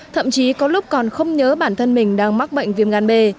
thậm chí có lúc còn không nhớ bản thân mình đang mắc bệnh viêm gan b